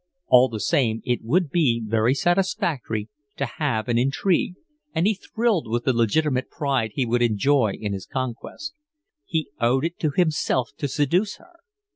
All the same it would be very satisfactory to have an intrigue, and he thrilled with the legitimate pride he would enjoy in his conquest. He owed it to himself to seduce her.